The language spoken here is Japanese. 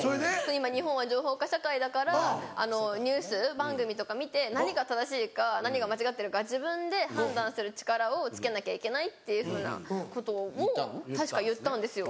今日本は情報化社会だからニュース番組とか見て何が正しいか何が間違ってるか自分で判断する力をつけなきゃいけないっていうふうなことを確か言ったんですよ。